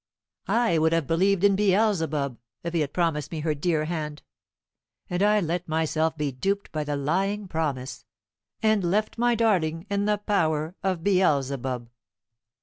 I would have believed in Beelzebub, if he had promised me her dear hand. And I let myself be duped by the lying promise, and left my darling in the power of Beelzebub!"